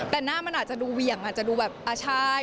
แต่หน้ามันอาจจะดูเหวี่ยงอาจจะดูแบบอ่าใช่